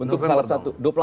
untuk salah satu